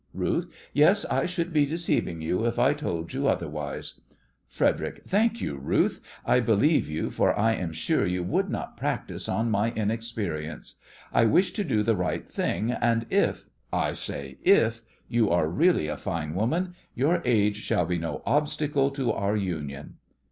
RUTH: Yes, I should be deceiving you if I told you otherwise. FREDERIC: Thank you, Ruth. I believe you, for I am sure you would not practice on my inexperience. I wish to do the right thing, and if I say if you are really a fine woman, your age shall be no obstacle to our union!